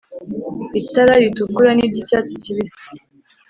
itara ritukura n'iry'icyatsi kibisi